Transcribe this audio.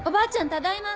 ただいま！